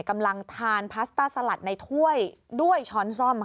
กำลังทานพาสต้าสลัดในถ้วยด้วยช้อนซ่อม